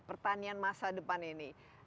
pertanian masa depan ini